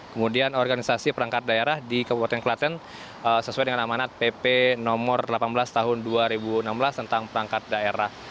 kemudian organisasi perangkat daerah di kabupaten kelaten sesuai dengan amanat pp nomor delapan belas tahun dua ribu enam belas tentang perangkat daerah